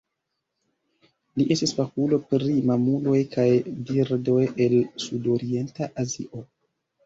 Li estis fakulo pri mamuloj kaj birdoj el Sudorienta Azio.